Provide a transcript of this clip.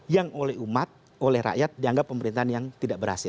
yang oleh umat oleh rakyat dianggap pemerintahan yang tidak berhasil